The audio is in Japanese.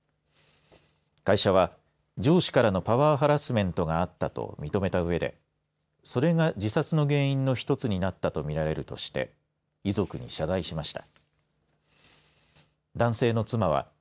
会社は上司からのパワーハラスメントがあったと認めたうえでそれが自殺の原因の一つになったとみられるとして遺族に謝罪しました。